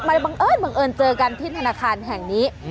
มาบังเอิญเจอกันที่ธนาคารแห่งนี้